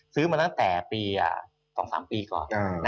ซื้อมาตั้งแต่ปี๒๓ปีก่อน